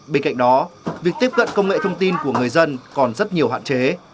bên cạnh đó việc tiếp cận công nghệ thông tin của người dân còn rất nhiều hạn chế